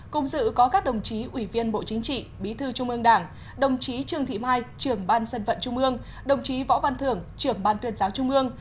cùng dự có các đồng chí ủy viên bộ chính trị bí thư trung ương đảng đồng chí trương thị mai trưởng ban dân vận trung ương đồng chí võ văn thưởng trưởng ban tuyên giáo trung ương